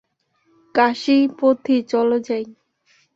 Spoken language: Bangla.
কাশী পথি, চল যাই।